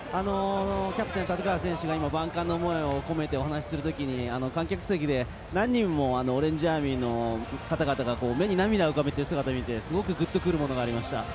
キャプテン・立川選手が万感の思いを込めてお話するときに、観客席で何人もオレンジアーミーの方々が目に涙を浮かべている姿を見て、ぐっとくるものがありました。